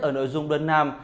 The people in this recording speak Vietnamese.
ở nội dung đơn nam